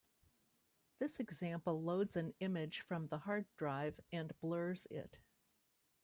This example loads an image from the hard drive and blurs it.